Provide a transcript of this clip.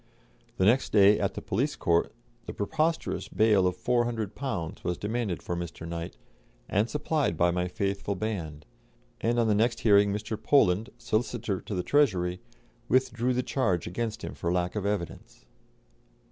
The next day, at the police court, the preposterous bail of £400 was demanded for Mr. Knight and supplied by my faithful band, and on the next hearing Mr. Poland, solicitor to the Treasury, withdrew the charge against him for lack of evidence!